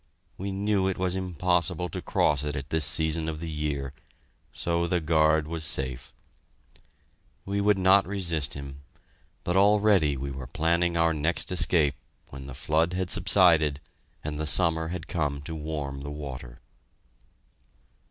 We knew it was impossible to cross it at this season of the year, so the guard was safe. We would not resist him, but already we were planning our next escape when the flood had subsided and the summer had come to warm the water.